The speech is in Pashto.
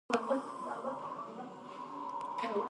د واورې درک په اسمان کې نه معلومېده.